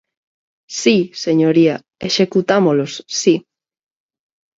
Si, señoría, executámolos, si.